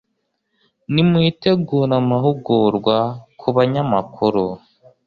nmuitegure amahugurwa ku banyamakuru,